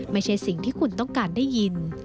ไม่ใช่สิ่งที่คุณต้องการได้ยิน